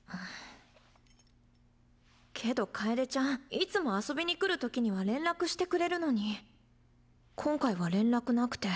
けど楓ちゃんいつも遊びに来る時には連絡してくれるのに今回は連絡なくて。